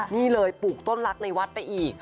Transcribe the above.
นี่เลยปลูกต้นรักในวัดไปอีก